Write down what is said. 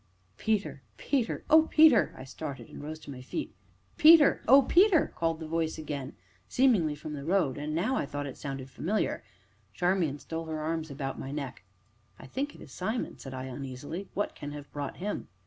"Peter! Peter! oh, Peter!" I started, and rose to my feet. "Peter! oh, Peter!" called the voice again, seemingly from the road, and now I thought it sounded familiar. Charmian stole her arms about my neck. "I think it is Simon," said I uneasily; "what can have brought him?